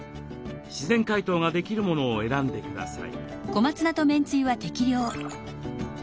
自然解凍ができるものを選んでください。